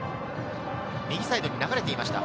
右サイドに流れていました。